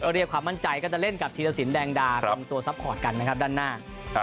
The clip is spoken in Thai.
เรียกความมั่นใจก็จะเล่นกับธีรสินแดงดารวมตัวซัพพอร์ตกันนะครับด้านหน้า